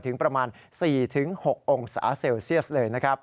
ถึงประมาณ๔๖องศาเซลเซียสเลย